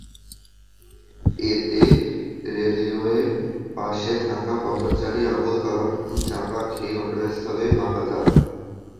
এতে রেলিংয়ের পাশে থাকা পথচারী আবুল কালাম চাপা খেয়ে ঘটনাস্থলেই মারা যান।